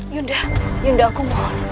yunda yunda aku mohon